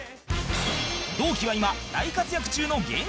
同期は今大活躍中の芸人ばかり